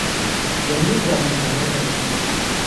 Eu nu vreau mâncare rece.